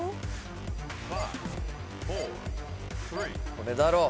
・これだろう。